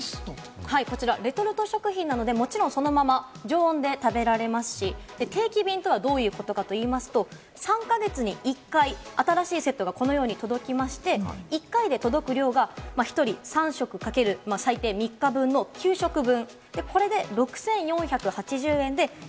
こちらレトルト食品なので、もちろんそのまま常温で食べられますし、定期便とはどういうことかというと、３か月に１回、新しいセットがこのように届きまして、１回で届く量が１人３食×最低３日分の９食分。